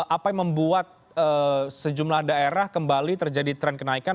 apa yang membuat sejumlah daerah kembali terjadi tren kenaikan